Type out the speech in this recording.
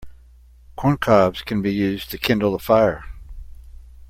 Corn cobs can be used to kindle a fire.